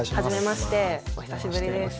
お久しぶりです。